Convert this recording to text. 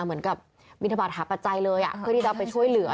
เหมือนกับบินทบาทหาปัจจัยเลยเพื่อที่จะไปช่วยเหลือ